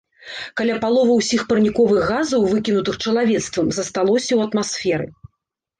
Каля паловы ўсіх парніковых газаў, выкінутых чалавецтвам, засталося ў атмасферы.